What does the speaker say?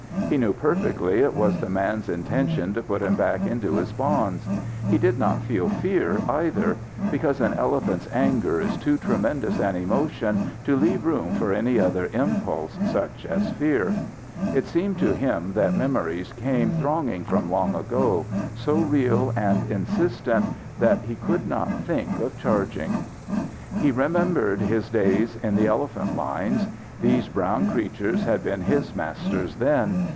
He knew perfectly it was the man's intention to put him back into his bonds. He did not feel fear, either because an elephant's anger is too tremendous an emotion to leave room for any other impulse such as fear. It seemed to him that memories came thronging from long ago, so real and insistent that he could not think of charging. He remembered his days in the elephant lines. These brown creatures had been his masters then.